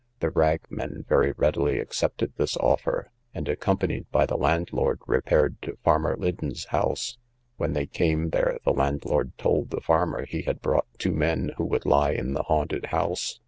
The ragmen very readily accepted this offer, and, accompanied by the landlord, repaired to Farmer Liddon's house. When they came there the landlord told the farmer he had brought two men who would lie in the haunted house.